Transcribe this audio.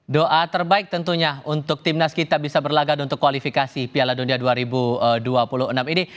doa terbaik tentunya untuk timnas kita bisa berlagak untuk kualifikasi piala dunia dua ribu dua puluh enam ini